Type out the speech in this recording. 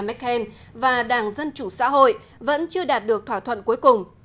merkel và đảng dân chủ xã hội vẫn chưa đạt được thỏa thuận cuối cùng